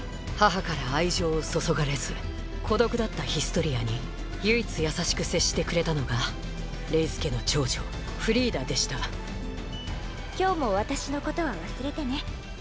母から愛情を注がれず孤独だったヒストリアに唯一優しく接してくれたのがレイス家の長女フリーダでした今日も私のことは忘れてね。